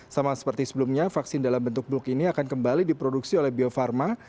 sama seperti sebelumnya vaksin dalam bentuk blok ini akan kembali diproduksi oleh bio farma